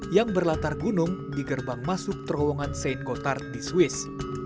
yang berlatar gunung di gerbang masuk terowongan saint gotard di swiss